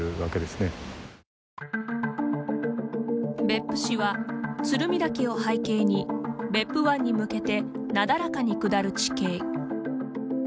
別府市は、鶴見岳を背景に別府湾に向けてなだらかに下る地形。